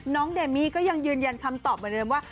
น้องเดมียก็ยังยืนยันคำตอบกลัวนึงว่า